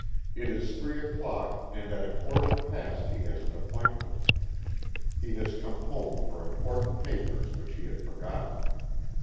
It is three o'clock, and at a quarter past he has an appointment. He has come home for important papers which he had forgotten.